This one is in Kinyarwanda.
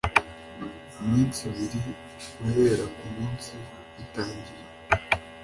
iminsi ibiri guhera ku munsi ritangiye